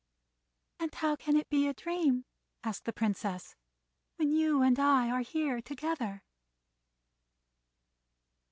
"And how can it be a dream," asked the Princess, "when you and I are here together?"